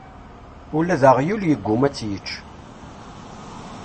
Ula d aɣyul yegguma ad tt-yečč.